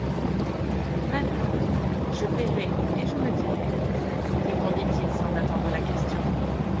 Madame, je payerai et je me tairai, répondit-il sans attendre la question.